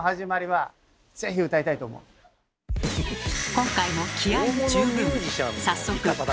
今回も気合い十分。